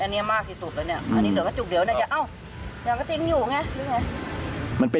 อันนี้เหลือกระจุกเดี๋ยวเนี่ยอ้าวอย่างก็จริงอยู่ไง